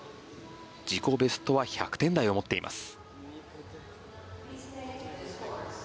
自己ベストは１００点台を持っています。